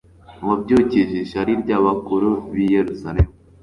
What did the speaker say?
wabyukije ishyari ry'abakuru b'i Yerusalemu.